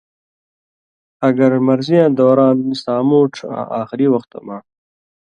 اگر مرضیاں دوران سامُوٹھ آں آخری وختہ مہ